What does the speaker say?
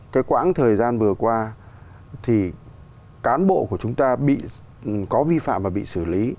cái quãng thời gian vừa qua thì cán bộ của chúng ta bị có vi phạm và bị xử lý